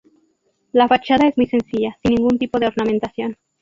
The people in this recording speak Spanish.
La fachada es muy sencilla, sin ningún tipo de ornamentación.